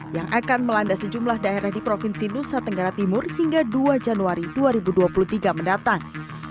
yang akan melanda sejumlah daerah di provinsi nusa tenggara timur hingga dua januari dua ribu dua puluh tiga mendatang